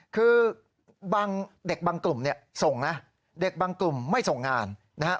คือบางเด็กบางกลุ่มเนี่ยส่งนะเด็กบางกลุ่มไม่ส่งงานนะฮะ